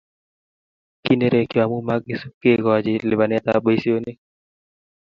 kinerekcho amu makisub kekochi lipanetab boisionik